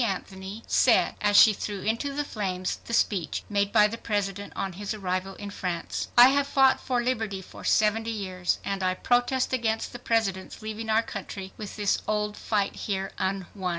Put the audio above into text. Anthony, said, as she threw into the flames the speech made by the President on his arrival in France: "... I have fought for liberty for seventy years, and I protest against the President's leaving our country with this old fight here unwon."